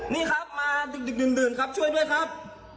นี่ครับมาดึกดื่นครับช่วยด้วยครับ